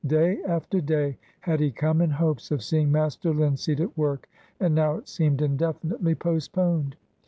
Day after day had he come in hopes of seeing Master Linseed at work, and now it seemed indefinitely postponed.